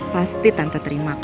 pasti tante terima kok ya